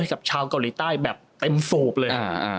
กับชาวเกาหลีใต้แบบเต็มสูบเลย